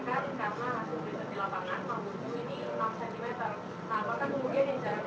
kalau itu kan di menit yang sama ya pak yang kita mau mengetahui di sana enam cm lalu kemudian volume nya langsung selesai gitu